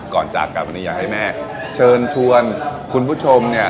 ก่อนจากการบรรยายให้แม่เชิญชวนคุณผู้ชมเนี่ย